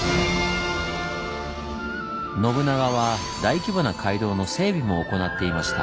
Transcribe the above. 信長は大規模な街道の整備も行っていました。